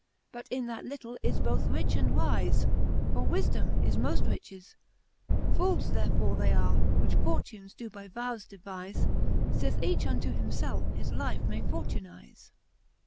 But in that litle is both rich and wife. For wifedome is moll riches j fooles therefore They are, which fortunes doe by vowes devize, Sith each unto himfelfe his life may fortunize.